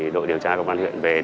đội điều tra công an huyện về